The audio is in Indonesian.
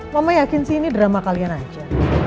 mama yakin sih ini drama kalian aja